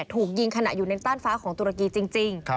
ถูกยิงขณะอยู่ในต้านฟ้าของตุรกีจริง